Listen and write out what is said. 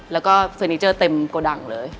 แล้วก็เฟอร์นิเจอร์เต็มโกดังเลย